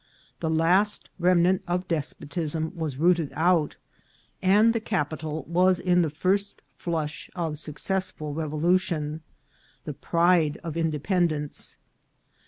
The last remnant of despotism was rooted out, and the cap ital was in the first flush of successful revolution, the pride of independence.